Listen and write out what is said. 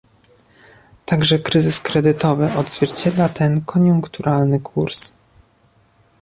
Także kryzys kredytowy odzwierciedla ten koniunkturalny kurs